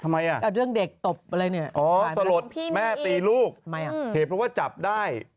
มีอีกแล้วเหรอทำไมน่ะสลดแม่ตีลูกเหตุผลว่าจับได้